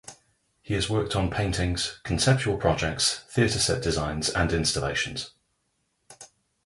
He has worked on paintings, conceptual projects, theater set designs and installations.